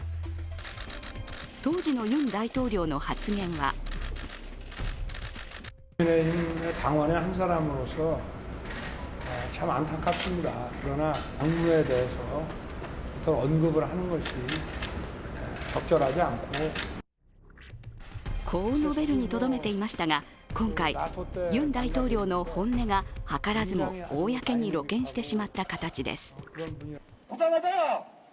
当時のユン大統領の発言はこう述べるにとどめていましたが今回、ユン大統領の本音が図らずも公に露見してしまった形です。